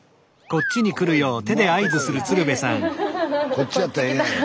こっちやったらええんやろ。